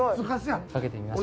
かけてみます。